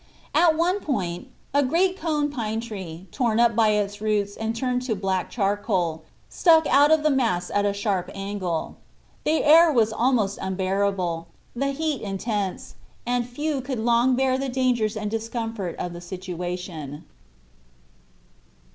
At one point a great cone pine tree, torn up by its roots and turned to black charcoal, stuck out of the mass at a sharp angle. The air was almost unbearable, the heat intense, and few could long bear the dangers and discomfort of the situation.